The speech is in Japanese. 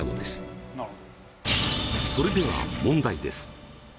それでは問題です。